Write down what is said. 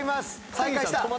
再開した。